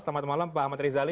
selamat malam pak ahmad rizali